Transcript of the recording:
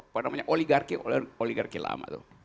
karena ini oligarki oligarki lama